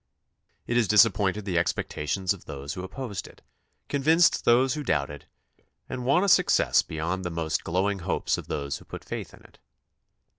It has disappointed the expectations of those who opposed it, convinced those who doubted, and won a success beyond the most glowing hopes of those who put faith in it.